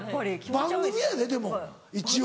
番組やででも一応。